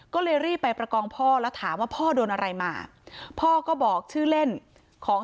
ก็เลยรีบไปประกองพ่อแล้วถามว่าพ่อโดนอะไรมาพ่อก็บอกชื่อเล่นของ